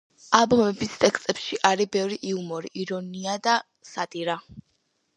ალბომის ტექსტებში არის ბევრი იუმორი, ირონია და სატირა.